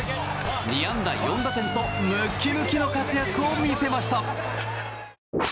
２安打４打点とムキムキの活躍を見せました。